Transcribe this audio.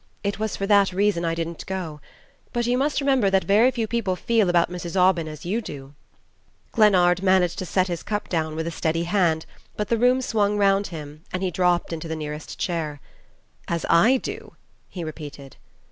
It was for that reason I didn't go. But you must remember that very few people feel about Mrs. Aubyn as you do " Glennard managed to set down his cup with a steady hand, but the room swung round with him and he dropped into the nearest chair. "As I do?" he repeated.